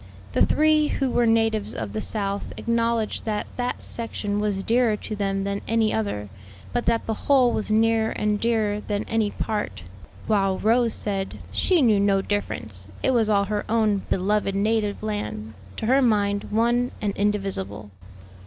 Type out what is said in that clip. The three who were natives of the South acknowledged that that section was dearer to them than any other, but that the whole was nearer and dearer than any part; while Rose said "she knew no difference; it was all her own beloved native land, to her mind one and indivisible."